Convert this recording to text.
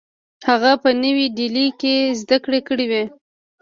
هغه په نوې ډیلي کې زدکړې کړې وې